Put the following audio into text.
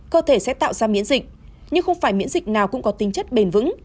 cơ thể sẽ tạo ra miễn dịch nhưng không phải miễn dịch nào cũng có tính chất bền vững